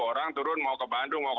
orang turun mau ke bandung